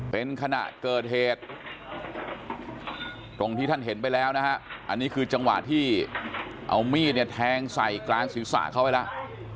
เป็นขณะเกิดเหตุตรงที่ท่านเห็นไปแล้วนะฮะอันนี้คือจังหวะที่เอามีดเนี่ยแทงใส่กลางศีรษะเขาไปแล้ว